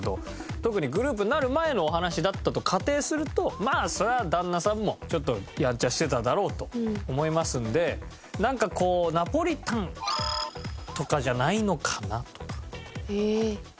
特にグループになる前のお話だったと仮定するとまあそれは旦那さんもちょっとヤンチャしてただろうと思いますのでナポリタンとかじゃないのかなとか。え。